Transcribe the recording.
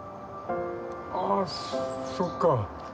ああそっか。